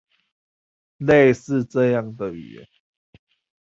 類似這樣的語言